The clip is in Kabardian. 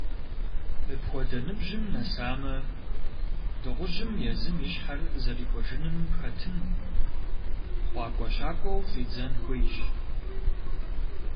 Мыпхуэдэ ныбжьым нэсамэ, дыгъужьым езым и щхьэр зэрипӀыжыным хэтын, хъуакӀуэщакӀуэу щӀидзэн хуейщ.